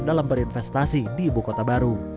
dalam berinvestasi di ibu kota baru